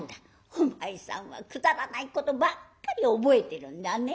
「お前さんはくだらないことばっかり覚えてるんだねえ」。